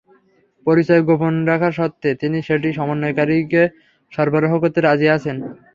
পরিচয় গোপন রাখার শর্তে তিনি সেটি সমন্বয়কারীকে সরবরাহ করতে রাজি আছেন।